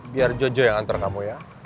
biar jojo yang antar kamu ya